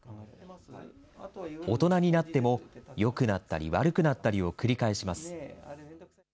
大人になっても、よくなったり、悪くなったりを繰り返します。